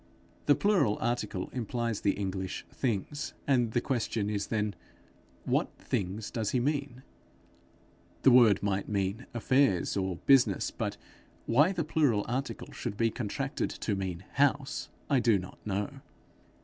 The plural article implies the English things; and the question is then, What things does he mean? The word might mean affairs or business; but why the plural article should be contracted to mean house, I do not know.